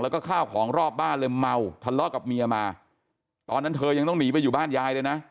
แล้วก็ข้าวของรอบบ้านเลยเมาทะเลาะกับเมียมาตอนนั้นเธอยังต้องหนีไปอยู่บ้านยายเลยนะ